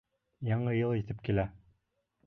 Яңы йыл етеп килә.